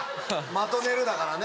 「まとめる」だからね。